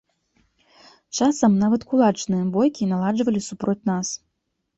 Часам нават кулачныя бойкі наладжвалі супроць нас.